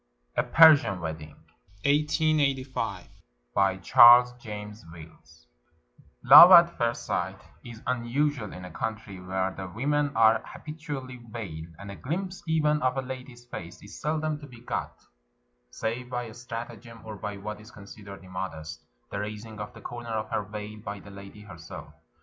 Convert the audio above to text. A PERSIAN WEDDING BY CHARLES JAMES WILLS Love at first sight is unusual in a country where the women are habitually veiled, and a glimpse even of a lady's face is seldom to be got, save by stratagem or by what is considered immodest — the raising of the corner of her veil by the lady herself.